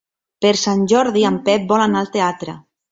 Per Sant Jordi en Pep vol anar al teatre.